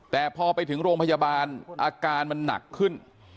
แต่พอไปถึงโรงพยาบาลอาการมันหนักขึ้น